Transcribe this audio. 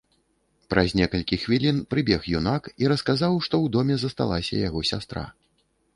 Праз некалькі хвілін прыбег юнак і расказаў, што ў доме засталася яго сястра.